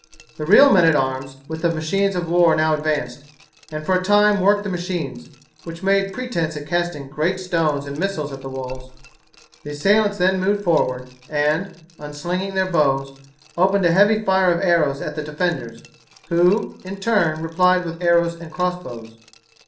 The real men at arms with the machines of war now advanced, and for a time worked the machines, which made pretence at casting great stones and missiles at the walls. The assailants then moved forward and, unslinging their bows, opened a heavy fire of arrows at the defenders, who, in turn, replied with arrows and cross bows.